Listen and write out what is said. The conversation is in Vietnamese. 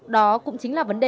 đó cũng chính là vấn đề